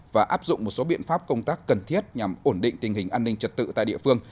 và áp dụng một số biện pháp công tác cần thiết nhằm ổn định tình hình an ninh trật tự tại địa phương